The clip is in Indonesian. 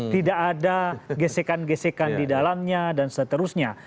tidak ada gesekan gesekan di dalamnya dan seterusnya